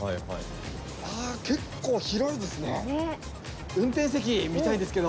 結構広いですね。